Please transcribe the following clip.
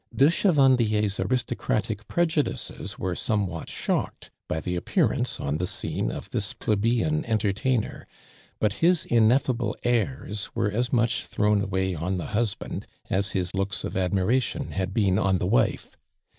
De Chevandier" s .aristocratic pre judices were somewhat shocked by the appearance, on the scene, of this jdebeian entertainer, but his inetlable airs were as much thrown away on the husband, as his looks of admiration hail been on the wife.